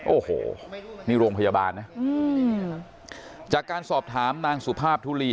โอ้โหนี่โรงพยาบาลนะจากการสอบถามนางสุภาพทุลี